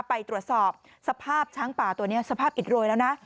ไปตรวจสอบสภาพช้างป่าตัวนี้สภาพอิดโรยแล้วนะ